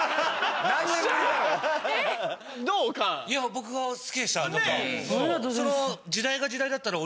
僕は好きでした。